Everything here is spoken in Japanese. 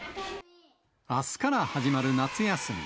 あすから始まる夏休み。